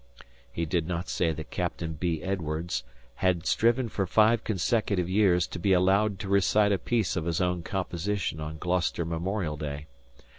He did not say that Captain B. Edwardes had striven for five consecutive years to be allowed to recite a piece of his own composition on Gloucester Memorial Day.